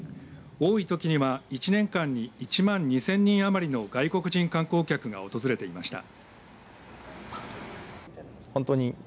多いときには１年間に１万２０００人余りの外国人観光客が訪れていました。